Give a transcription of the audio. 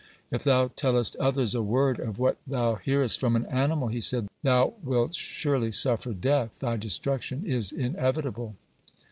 "If thou tellest others a word of what thou hearest from an animal," he said, "thou wilt surely suffer death; thy destruction is inevitable."